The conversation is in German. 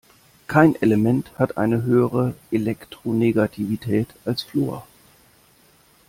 Kein Element hat eine höhere Elektronegativität als Fluor.